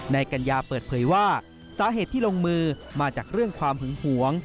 กัญญาเปิดเผยว่าสาเหตุที่ลงมือมาจากเรื่องความหึงหวง